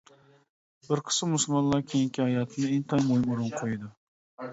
بىر قىسىم مۇسۇلمانلار كېيىنكى ھاياتىنى ئىنتايىن مۇھىم ئورۇنغا قويىدۇ.